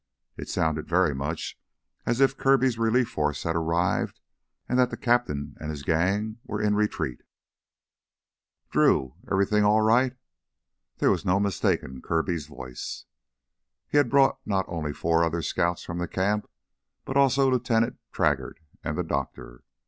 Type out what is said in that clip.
It sounded very much as if Kirby's relief force had arrived and that the "cap'n" and his gang were in retreat. "Drew! Everythin' all right?" There was no mistaking Kirby's voice. He had brought not only four other scouts from the camp, but also Lieutenant Traggart and the doctor.